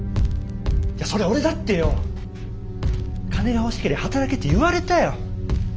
そりゃ俺だってよ「金が欲しけりゃ働け」って言われたよ。